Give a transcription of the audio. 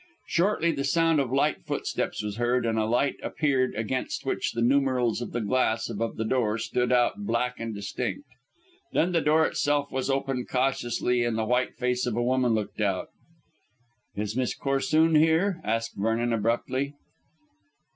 Shortly the sound of light footsteps was heard, and a light appeared, against which the numerals on the glass above the door stood out black and distinct. Then the door itself was opened cautiously, and the white face of a woman looked out. "Is Miss Corsoon here?" asked Vernon abruptly.